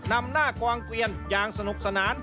นำหน้ากวางเกวียนอย่างสนุกสนาน